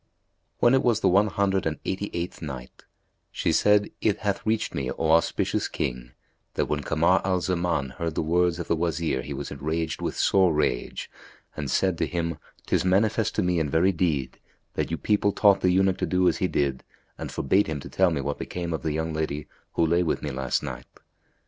When it was the One Hundred and Eighty eighth Night, She said, It hath reached me, O auspicious King, that when Kamar al Zaman heard the words of the Wazir he was enraged with sore rage and said to him, "'Tis manifest to me in very deed that you people taught the eunuch to do as he did and forbade him to tell me what became of the young lady who lay with me last night.